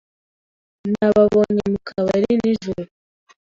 Nababonye mu kabari nijoro.